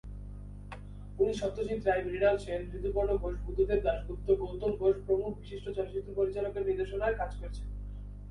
উনি সত্যজিৎ রায়, মৃণাল সেন, ঋতুপর্ণ ঘোষ, বুদ্ধদেব দাশগুপ্ত, গৌতম ঘোষ প্রমুখ বিশিষ্ট চলচ্চিত্র পরিচালকের নির্দেশনায় কাজ করেছেন।